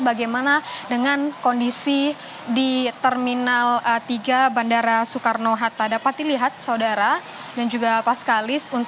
bagaimana dengan kondisi di terminal tiga bandara soekarno hatta dapat dilihat saudara dan juga paskalis